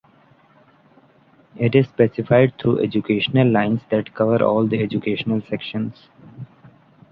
It is specified through educational lines that cover all the educational sections.